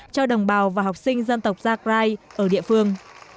cho đồng bào và học sinh dân tộc gia ở địa phương